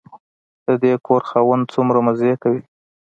د دې کور خاوند څومره مزې کوي.